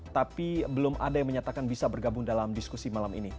tapi belum ada yang menyatakan bisa bergabung dalam diskusi malam ini